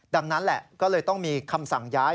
ดังนั้นก็ต้องมีคำสั่งย้าย